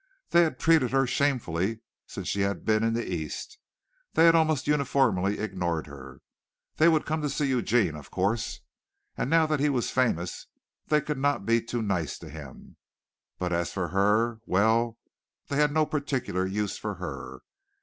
They had treated her shamefully since she had been in the East. They had almost uniformly ignored her. They would come to see Eugene, of course, and now that he was famous they could not be too nice to him, but as for her well, they had no particular use for her.